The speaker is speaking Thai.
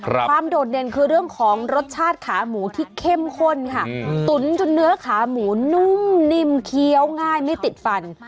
โดดเด่นคือเรื่องของรสชาติขาหมูที่เข้มข้นค่ะตุ๋นจนเนื้อขาหมูนุ่มนิ่มเคี้ยวง่ายไม่ติดฟัน